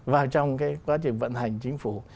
vào trong cái quá trình vận hành chính phủ